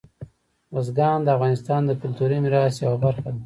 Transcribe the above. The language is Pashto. بزګان د افغانستان د کلتوري میراث یوه برخه ده.